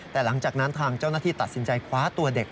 แต่หลังจากนั้นทางเจ้าหน้าที่ตัดสินใจคว้าตัวเด็ก